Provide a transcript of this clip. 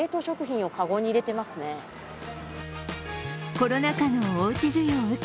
コロナ禍のおうち需要を受け